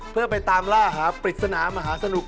เพื่อไปตามล่าหาปริศนามหาสนุก